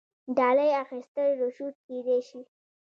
ډالۍ اخیستل رشوت کیدی شي